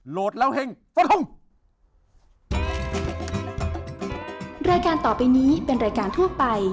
โหลดแล้วเฮ่งสวัสดีครับ